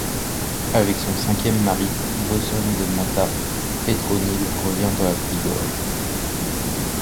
Avec son cinquième mari, Boson de Matha, Pétronille revient dans la Bigorre.